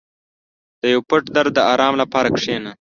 • د یو پټ درد د آرام لپاره کښېنه.